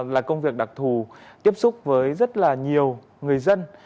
là công việc đặc thù tiếp xúc với rất là nhiều người dân